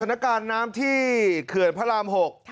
สถานการณ์น้ำที่เขื่อนพระราม๖